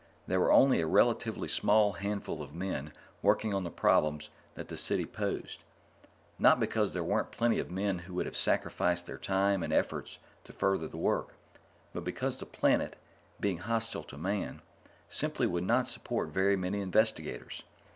There were only a relatively small handful of men working on the problems that the City posed. Not because there weren't plenty of men who would have sacrificed their time and efforts to further the work, but because the planet, being hostile to Man, simply would not support very many investigators.